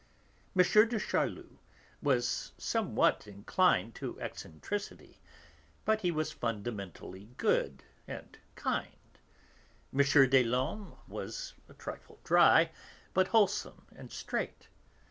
M. de Charlus was somewhat inclined to eccentricity, but he was fundamentally good and kind; M. des Laumes was a trifle dry, but wholesome and straight.